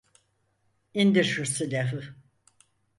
İndir şu silahı.